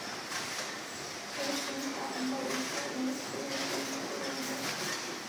盒形藻目为藻类植物之一植物目。